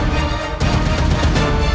raja ibu nda